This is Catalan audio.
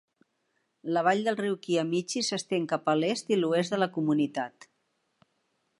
La vall del riu Kiamichi s'estén cap a l'est i l'oest de la comunitat.